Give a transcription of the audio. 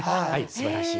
すばらしい。